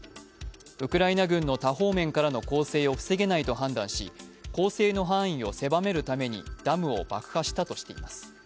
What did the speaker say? ウクライナ軍の多方面からの攻勢を防げないと判断し、攻勢の範囲を狭めるためにダムを爆破したとしています。